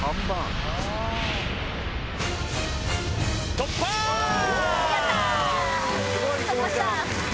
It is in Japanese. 突破した！